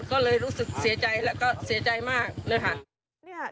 ก็เลยรู้สึกเสียใจแล้วก็เสียใจมากเลยค่ะ